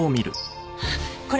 これ。